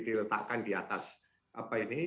diletakkan di atas apa ini